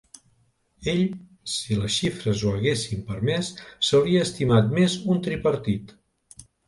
Ell, si les xifres ho haguessin permès, s’hauria estimat més un tripartit.